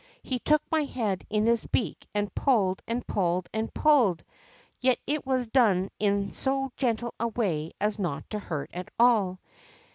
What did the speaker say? He took my head in his beak, and pulled, and pulled, and pulled ! Yet it was done in so gentle a way as not to hurt at all.